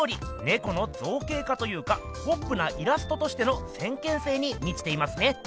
ネコの造形化というかポップなイラストとしての先見性にみちていますね。